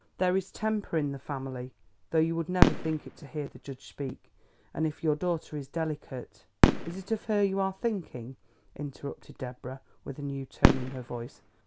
There is temper in the family, though you would never think it to hear the judge speak; and if your daughter is delicate " "Is it of her you are thinking?" interrupted Deborah, with a new tone in her voice.